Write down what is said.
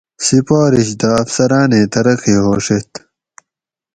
سِفارِش دہ افسراٞنیں ترقی ہوݭیت